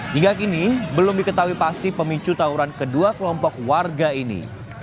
hingga kini belum diketahui pasti pemicu tawuran kedua kelompok warga ini